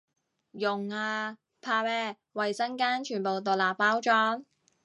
用啊，怕咩，衛生巾全部獨立包裝